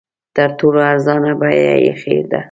تر ټولو ارزانه بیه ایښې ده.